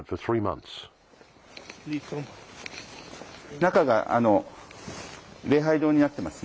中が礼拝堂になっていますね。